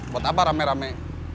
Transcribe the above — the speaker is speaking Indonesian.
buat apa rame rame